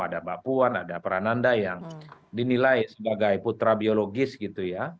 ada bapuan ada perananda yang dinilai sebagai putra biologis gitu ya